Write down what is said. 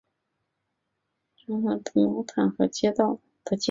棉行街在历史上曾经是生产棉花制造服装或冬季毛毯的街道。